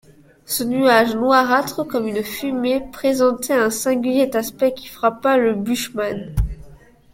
Ce nuage, noirâtre comme une fumée, présentait un singulier aspect qui frappa le bushman.